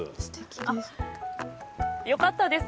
あっよかったです。